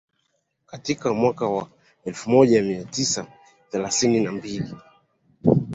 Katika mwaka wa elfu moja mia tisa themanini na mbili